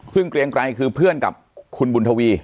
ซึ่งเกรียงไกรคือเพื่อนกับคุณบุญทวี